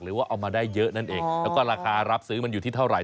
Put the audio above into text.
หรือว่าเอามาได้เยอะนั่นเองแล้วก็ราคารับซื้อมันอยู่ที่เท่าไห